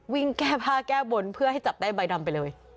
แก้ผ้าแก้บนเพื่อให้จับได้ใบดำไปเลย